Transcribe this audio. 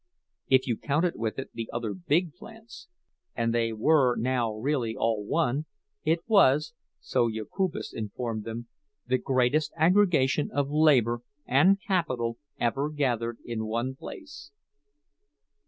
If you counted with it the other big plants—and they were now really all one—it was, so Jokubas informed them, the greatest aggregation of labor and capital ever gathered in one place.